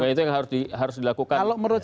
itu yang harus dilakukan